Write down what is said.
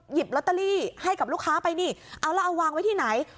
ลอตเตอรี่ให้กับลูกค้าไปนี่เอาแล้วเอาวางไว้ที่ไหน